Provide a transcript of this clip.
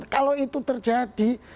kalau itu terjadi